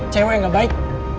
cewek yang gak baik